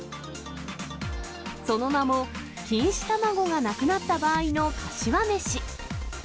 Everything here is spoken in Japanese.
その名も、錦糸卵がなくなった場合のかしわめし。